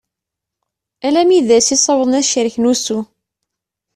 Alammi d ass i ssawḍen ad cerken ussu.